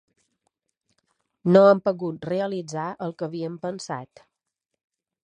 No hem pogut realitzar el que havíem pensat.